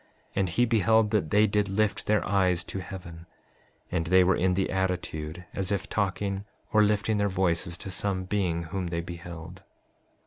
And he beheld that they did lift their eyes to heaven; and they were in the attitude as if talking or lifting their voices to some being whom they beheld.